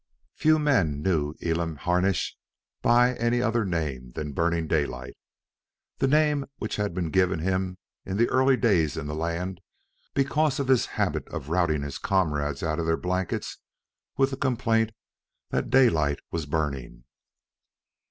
Few men knew Elam Harnish by any other name than Burning Daylight, the name which had been given him in the early days in the land because of his habit of routing his comrades out of their blankets with the complaint that daylight was burning.